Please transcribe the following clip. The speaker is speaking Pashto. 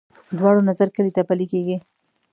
دواړو نظر کلي ته پلی کېږي.